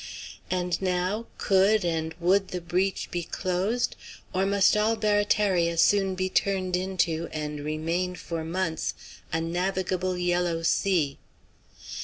And now, could and would the breach be closed, or must all Barataria soon be turned into, and remain for months, a navigable yellow sea?